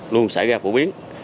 luôn xảy ra phổ biến